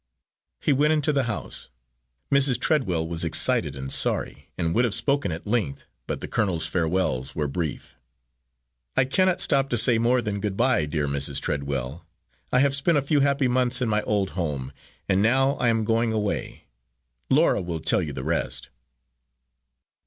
He went into the house. Mrs. Treadwell was excited and sorry, and would have spoken at length, but the colonel's farewells were brief. "I cannot stop to say more than good bye, dear Mrs. Treadwell. I have spent a few happy months in my old home, and now I am going away. Laura will tell you the rest."